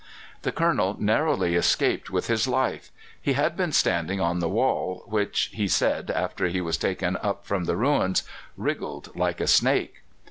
The Colonel narrowly escaped with his life. He had been standing on the wall, which, he said after he was taken up from the ruins, wriggled like a snake.